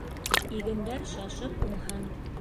Игендәр шашып уңһын!